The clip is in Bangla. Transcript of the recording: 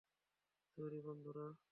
সরি, বন্ধুরা।